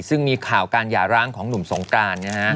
ซึ่งมีข่าวการหย่าร้างของหนุ่มสงกราน